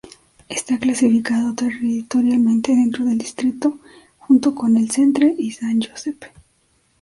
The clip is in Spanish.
Está clasificado territorialmente dentro del Distrito I, junto con El Centre y Sant Josep.